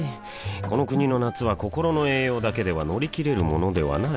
この国の夏は心の栄養だけでは乗り切れるものではない